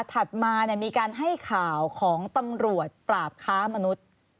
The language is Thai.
ถัดมามีการให้ข่าวของตำรวจปราบค้ามนุษย์